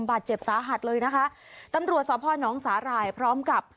บาดเจ็บสาหัสเลยนะคะตำรวจสพนสาหร่ายพร้อมกับ